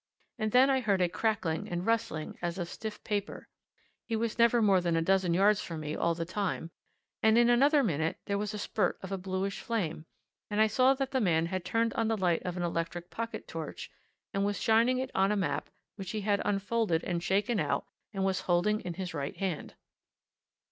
And then I heard a crackling and rustling as of stiff paper he was never more than a dozen yards from me all the time, and in another minute there was a spurt up of bluish flame, and I saw that the man had turned on the light of an electric pocket torch and was shining it on a map which he had unfolded and shaken out, and was holding in his right hand.